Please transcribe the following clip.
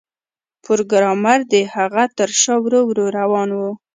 پروګرامر د هغه تر شا ورو ورو روان و